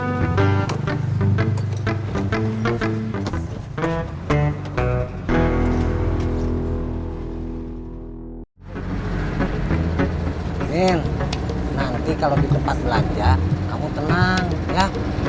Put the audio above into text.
ini nanti kalau di tempat belanja kamu tenang ya